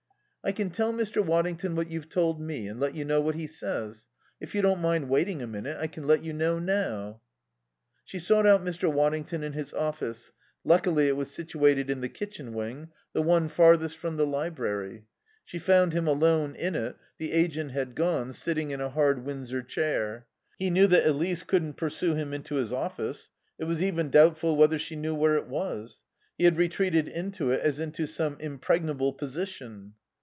"I can tell Mr. Waddington what you've told me and let you know what he says. If you don't mind waiting a minute I can let you know now." She sought out Mr. Waddington in his office luckily it was situated in the kitchen wing, the one farthest from the library. She found him alone in it (the agent had gone), sitting in a hard Windsor chair. He knew that Elise couldn't pursue him into his office; it was even doubtful whether she knew where it was. He had retreated into it as into some impregnable position.